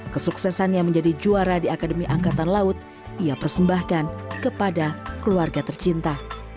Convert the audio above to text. kesuksesannya menjadi juara di akademi angkatan laut ia persembahkan kepada keluarga tercinta